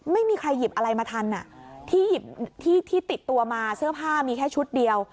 ไม่มีใครหยิบอะไรมาทันที่ติดตัวมาเสื้อผ้ามีแค่ชุดเดียว